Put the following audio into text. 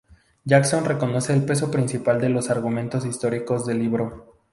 Jackson reconoce el peso principal de los argumentos históricos del libro.